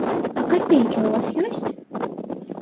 А капейкі ў вас ёсць?